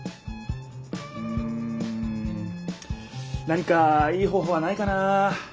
何かいい方ほうはないかな？